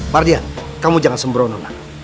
mardian kamu jangan sembrono